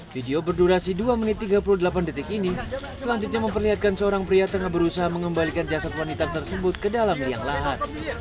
video berdurasi dua menit tiga puluh delapan detik ini selanjutnya memperlihatkan seorang pria tengah berusaha mengembalikan jasad wanita tersebut ke dalam liang lahat